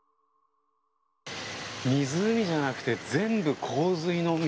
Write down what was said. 湖じゃなくて全部洪水の水。